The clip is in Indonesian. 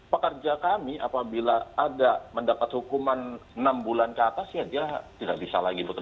pekerja kami apabila ada mendapat hukuman enam bulan ke atas ya dia tidak